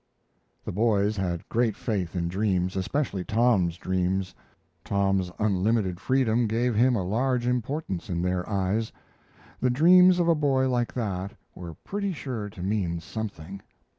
The boys had great faith in dreams, especially Tom's dreams. Tom's unlimited freedom gave him a large importance in their eyes. The dreams of a boy like that were pretty sure to mean something.